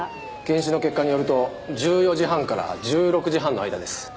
検視の結果によると１４時半から１６時半の間です。